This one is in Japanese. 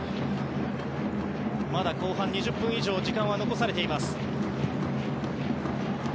まだ後半は２０分以上時間は残されています。